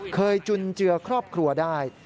จุนเจือครอบครัวได้